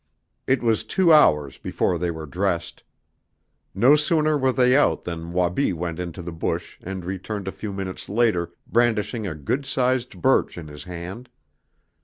It was two hours before they were dressed. No sooner were they out than Wabi went into the bush and returned a few minutes later brandishing a good sized birch in his hand.